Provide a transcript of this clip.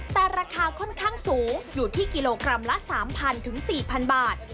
แต่ราคาค่อนข้างสูงอยู่ที่กิโลกรัมละ๓๐๐๔๐๐บาท